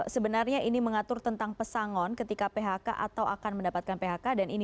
sebenarnya ini mengatur tentang pesangon ketika phk atau akan mendapatkan phk